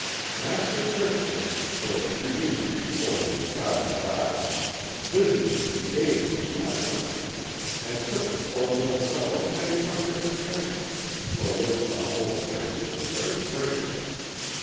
Master Christian, for a few weeks before this child died, visited him daily in my company, and took the poor little fellow many comforting things, for which the humble family were very grateful.